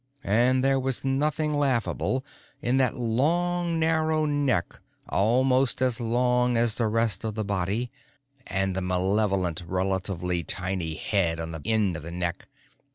And there was nothing laughable in that long, narrow neck, almost as long as the rest of the body, and the malevolent, relatively tiny head on the end of the neck.